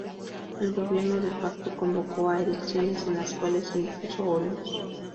El gobierno de facto convocó a elecciones, en las cuales se impuso Olmos.